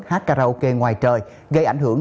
hát karaoke ngoài trời gây ảnh hưởng